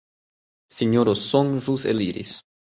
Sinjoro Song ĵus eliris.